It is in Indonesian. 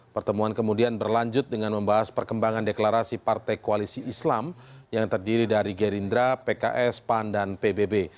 pertemuan kemudian berlanjut dengan membahas perkembangan deklarasi partai koalisi islam yang terdiri dari gerindra pks pan dan pbb